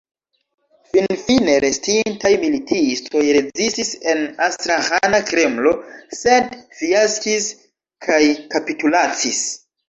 Finfine restintaj militistoj rezistis en Astraĥana Kremlo, sed fiaskis kaj kapitulacis.